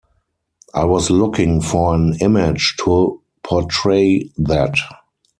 I was looking for an image to portray that.